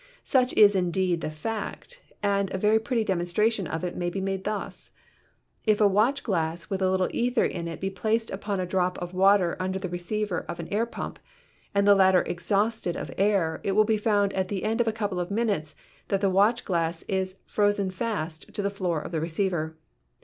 Such is indeed the fact, and a very pretty demonstration of it may be made thus : If a watch glass with a little ether in it be placed upon a drop of water under the receiver of an air pump and the latter exhausted of air it will be found at the end of a couple of minutes that the watch glass is frozen fast to the floor of the receiver.